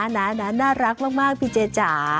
น่ารักมากพี่เจจ๋า